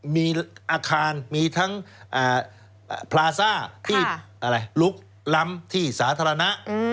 มีอาคารมีทั้งพลาซ่าที่ลุกล้ำที่สาธารณะ